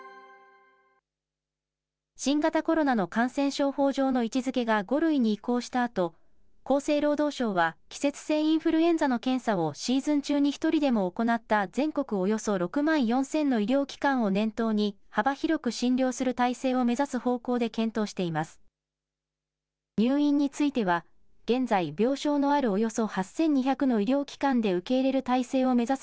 新型コロナの感染症法上の位置づけが５類に移行したあと、厚生労働省は、季節性インフルエンザの検査をシーズン中に１人でも行った、全国およそ６万４０００の医療機関を念頭に、幅広く診療する体制を目指す方向で検討しています。